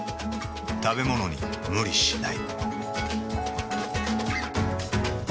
食べものに無理しない。